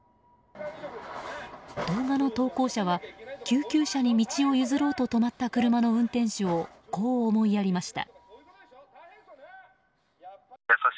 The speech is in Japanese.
動画の投稿者は救急車に道を譲ろうと止まった車の運転手をこう思いやりました。